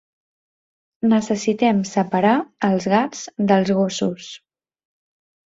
Necessitem separar els gats dels gossos.